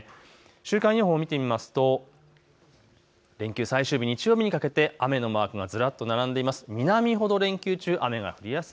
週間予報を見てみますと連休最終日、日曜日にかけては雨のマークがずらっと並んでいます。